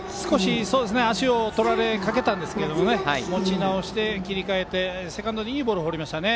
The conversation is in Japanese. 足をとられかけたんですが持ち直して切り替えてセカンドにいいボールを送りましたね。